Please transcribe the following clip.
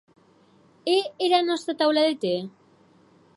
E era nòsta taula de tè?